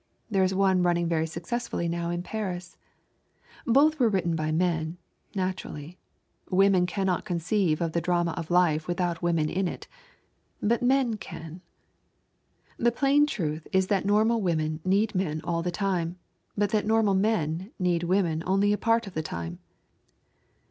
There is one running very successfully now in Paris. Both were written by men, naturally. Women cannot conceive of the drama of life without women in it. But men can. The plain truth is that normal women need men all the time, but that normal men need women only a part of the time.